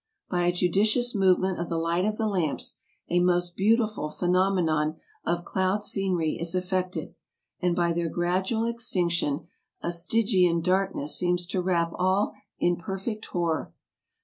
By a judicious movement of the light of the lamps a most beautiful phenomenon of cloud scenery is effected, and by their gradual extinction a Stygian darkness seems to wrap all in perfect horror.